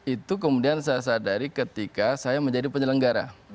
itu kemudian saya sadari ketika saya menjadi penyelenggara